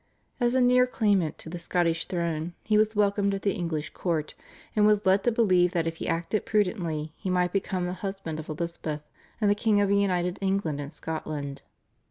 As a near claimant to the Scottish throne he was welcomed at the English court, and was led to believe that if he acted prudently he might become the husband of Elizabeth, and the king of a united England and Scotland.